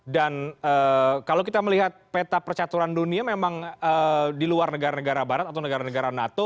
dan kalau kita melihat peta percaturan dunia memang di luar negara negara barat atau negara negara nato